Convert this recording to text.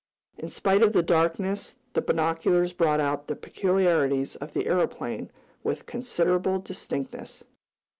In spite of the darkness the binoculars brought out the peculiarities of the aeroplane with considerable distinctness.